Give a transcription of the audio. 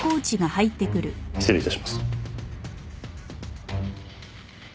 失礼致します。